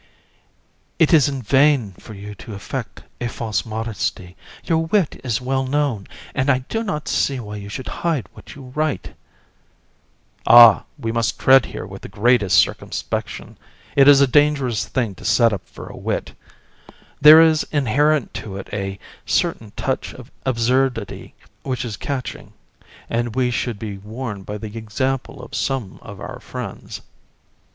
JU. It is in vain for you to affect a false modesty; your wit is well known, and I do not see why you should hide what you write. VISC. Ah! we must tread here with the greatest circumspection. It is a dangerous thing to set up for a wit. There is inherent to it a certain touch of absurdity which is catching, and we should be warned by the example of some of our friends.